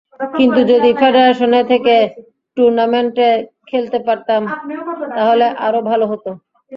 কিন্তু যদি ফেডারেশনে থেকে টুর্নামেন্টে খেলতে পারতাম, তাহলে আরও ভালো হতো।